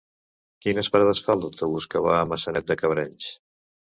Quines parades fa l'autobús que va a Maçanet de Cabrenys?